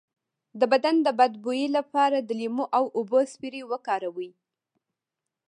د بدن د بد بوی لپاره د لیمو او اوبو سپری وکاروئ